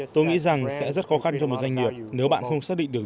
tôi nghĩ rằng sẽ rất khó khăn cho một doanh nghiệp nếu bạn không xác định được